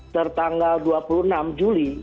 tertanggal dua puluh enam juli